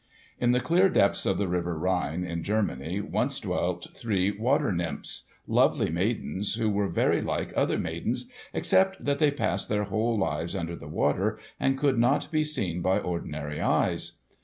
In the clear depths of the river Rhine, in Germany, once dwelt three water nymphs—lovely maidens who were very like other maidens, except that they passed their whole lives under the water and could not be seen by ordinary eyes.